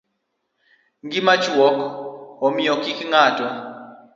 Ngima chuok, omiyo kik ng'ato